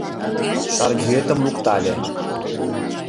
Шаргӱэтым луктале.